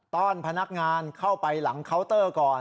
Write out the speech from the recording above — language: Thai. ้อนพนักงานเข้าไปหลังเคาน์เตอร์ก่อน